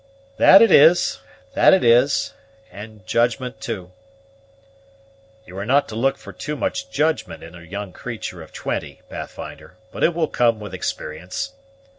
"That it is, that it is; and judgment, too." "You are not to look for too much judgment in a young creature of twenty, Pathfinder, but it will come with experience.